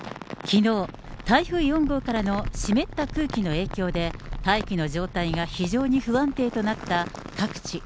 きのう、台風４号からの湿った空気の影響で、大気の状態が非常に不安定となった各地。